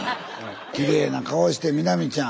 きれいな顔して美波ちゃん。